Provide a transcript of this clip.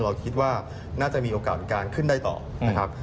เราคิดว่าน่าจะมีโอกาสในการขึ้นได้ต่อนะครับ